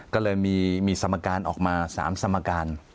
ก็เลยมีสมการออกมา๓สมการ